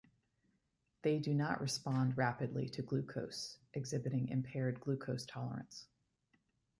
They do not respond rapidly to glucose, exhibiting impaired glucose tolerance.